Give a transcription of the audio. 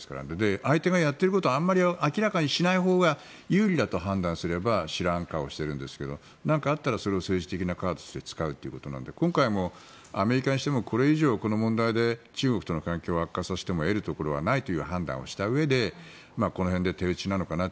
相手がやっていることはあまり明らかにしないほうが有利だと判断すれば知らん顔をしているんですけど何かあったら政治的なカードとして使うということで今回もアメリカにしてもこれ以上この問題で中国との関係を悪化させても得るところはないという判断をしたうえでこの辺で手打ちなのかなと。